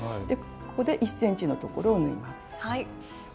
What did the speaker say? ここで１ｃｍのところを縫います。